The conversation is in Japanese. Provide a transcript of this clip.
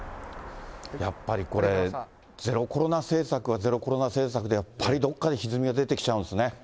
やっぱりこれ、ゼロコロナ政策はゼロコロナ政策で、やっぱりどっかでひずみが出てきちゃうんですね。